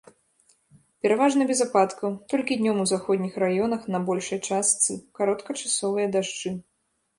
Пераважна без ападкаў, толькі днём у заходніх раёнах на большай частцы кароткачасовыя дажджы.